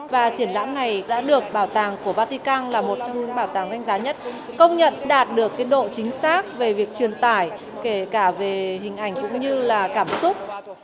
và triển lãm này đã được bảo tàng của vatican là một trong những bảo tàng đánh giá nhất công nhận đạt được độ chính xác về việc truyền tải kể cả về hình ảnh cũng như là cảm xúc